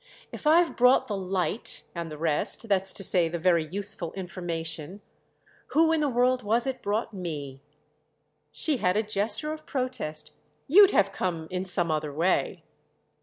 "If I've brought the 'light' and the rest—that's to say the very useful information—who in the world was it brought me?" She had a gesture of protest "You'd have come in some other way."